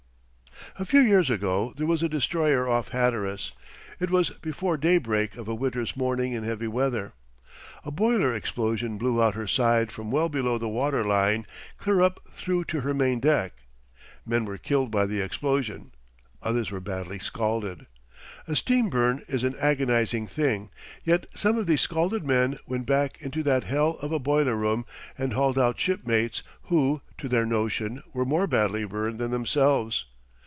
A few years ago there was a destroyer off Hatteras. It was before daybreak of a winter's morning in heavy weather. A boiler explosion blew out her side from well below the water line clear up through to her main deck. Men were killed by the explosion; others were badly scalded. A steam burn is an agonizing thing, yet some of these scalded men went back into that hell of a boiler room and hauled out shipmates who, to their notion, were more badly burned than themselves.